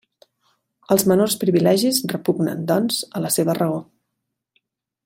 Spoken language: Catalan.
Els menors privilegis repugnen, doncs, a la seva raó.